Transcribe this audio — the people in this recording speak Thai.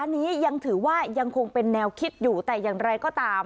อันนี้ยังถือว่ายังคงเป็นแนวคิดอยู่แต่อย่างไรก็ตาม